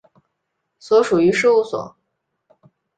所属于事务所。